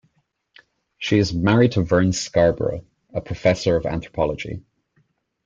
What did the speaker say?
She is married to Vern Scarborough, a professor of anthropology.